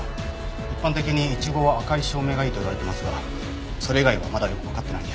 一般的にイチゴは赤い照明がいいといわれてますがそれ以外はまだよくわかってないんで。